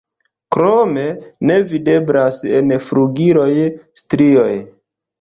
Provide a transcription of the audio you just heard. Krome ne videblas en flugiloj strioj.